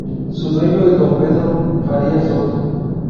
Su dueño es don Pedro Farías Soto.